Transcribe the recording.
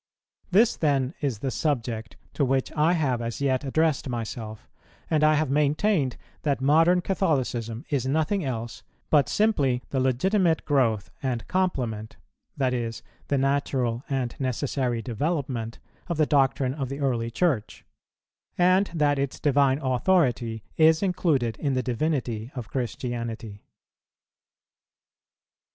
This then is the subject, to which I have as yet addressed myself, and I have maintained that modern Catholicism is nothing else but simply the legitimate growth and complement, that is, the natural and necessary development, of the doctrine of the early church, and that its divine authority is included in the divinity of Christianity.